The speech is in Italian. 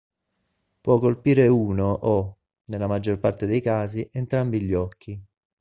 Può colpire uno o, nella maggior parte dei casi, entrambi gli occhi.